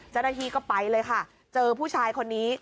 เจ้าหน้าที่ก็ไปเลยค่ะเจอผู้ชายคนนี้